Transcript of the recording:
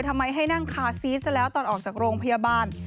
ทำไมให้นั่งคาซีสซะแล้วตอนออกจากโรงพยาบาล